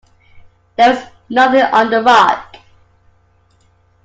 There was nothing on the rock.